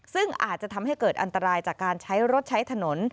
ซึ่งอาจจะทำให้เกิดอันตรายจากการใช้รถใช้ถนน